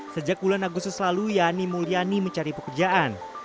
sejak bulan agustus lalu yani mulyani mencari pekerjaan